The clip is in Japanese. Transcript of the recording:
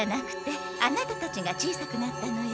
アナタたちが小さくなったのよ。